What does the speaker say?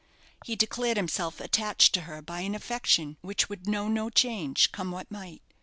He declared himself attached to her by an affection which would know no change, come what might.